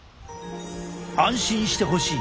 安心してほしい。